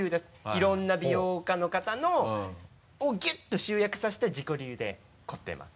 いろんな美容家の方のをギュッと集約させて自己流で凝ってます。